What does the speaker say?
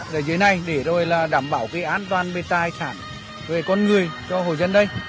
ở dưới này để rồi là đảm bảo cái an toàn về tài sản về con người cho hồ dân đây